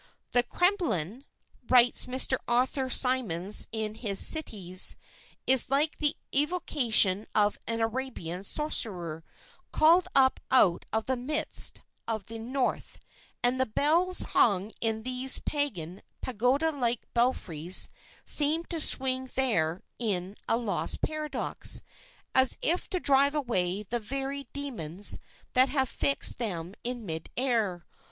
"The Kremlin," writes Mr. Arthur Symons in his Cities, "is like the evocation of an Arabian sorcerer, called up out of the mists of the North; and the bells hung in these pagan, pagoda like belfries seem to swing there in a lost paradox, as if to drive away the very demons that have fixed them in mid air....